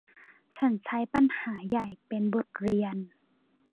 ฉันใช้ปัญหาใหญ่เป็นบทเรียน